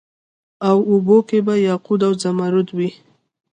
او اوبو کي به یاقوت او زمرود وي